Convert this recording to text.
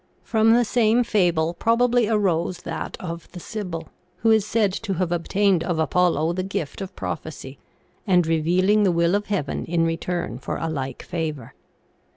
From the same fable probably arose that of the Sibyl, who is said to have obtained of Apollo the gift of prophecy, and revealing the will of heaven in return for a like favor.